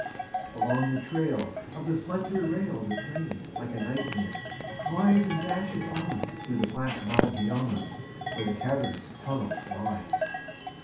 Along the trail Of the slender rail The train, like a nightmare, flies And dashes on Through the black mouthed yawn Where the cavernous tunnel lies.